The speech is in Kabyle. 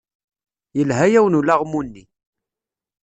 Yelha-yawen ulaɣmu-nni.